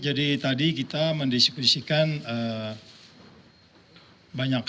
jadi tadi kita mendiskusikan